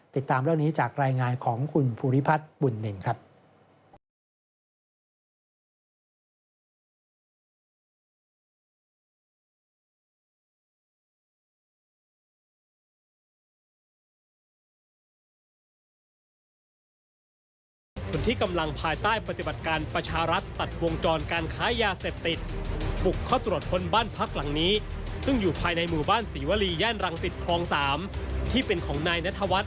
ติดตามเรื่องนี้จากรายงานของคุณภูริพัฒน์บุญนินครับ